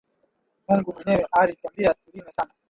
Mungu mwenyewe ari twambia tu rime sana